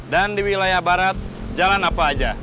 dan di wilayah barat jalan apa aja